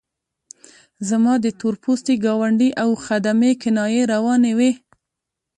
زما د تور پوستي ګاونډي او خدمې کنایې روانې وې.